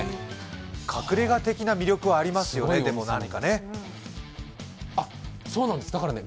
隠れ家的な魅力はありますよね、なんかね。